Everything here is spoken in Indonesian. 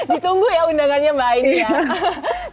ditunggu ya undangannya mbak aini ya